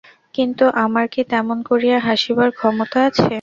কিন্তু, আমার কি তেমন করিয়া হাসিবার ক্ষমতা আছে।